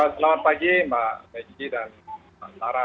selamat pagi mbak beji dan mbak tara